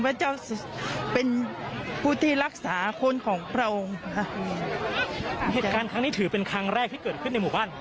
พระเจ้าเป็นผู้ที่รักษาคนของพระองค์เหตุการณ์ครั้งนี้ถือเป็นครั้งแรกที่เกิดขึ้นในหมู่บ้าน